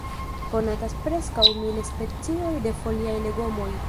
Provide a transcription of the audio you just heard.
Konatas preskaŭ mil specioj de foliaj legomoj.